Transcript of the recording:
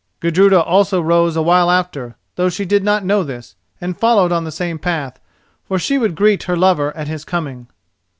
Gudruda also rose a while after, though she did not know this, and followed on the same path, for she would greet her lover at his coming.